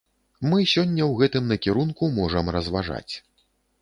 Мы сёння ў гэтым накірунку можам разважаць.